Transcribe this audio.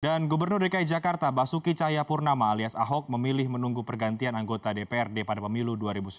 dan gubernur dki jakarta basuki cahayapurnama alias ahok memilih menunggu pergantian anggota dprd pada pemilu dua ribu sembilan belas